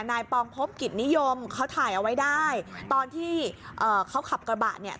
ปองพบกิจนิยมเขาถ่ายเอาไว้ได้ตอนที่เอ่อเขาขับกระบะเนี่ย